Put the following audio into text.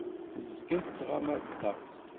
Tezga tettɣama ar ṭṭaq.